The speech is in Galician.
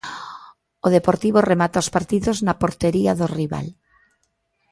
O Deportivo remata os partidos na portería do rival.